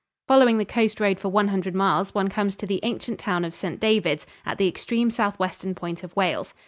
Following the coast road for one hundred miles, one comes to the ancient town of St. Davids, at the extreme southwestern point of Wales.